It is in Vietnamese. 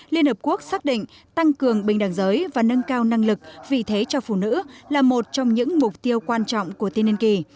liên hợp quốc xác định tăng cường bình đẳng giới và nâng cao năng lực vì thế cho phụ nữ là một trong những mục tiêu quan trọng của tiên niên kỳ